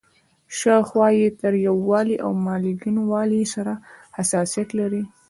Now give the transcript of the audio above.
شاوخوا یې له تریوالي او مالګینوالي سره حساسیت لري.